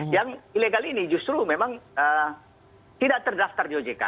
yang ilegal ini justru memang tidak terdaftar di ojk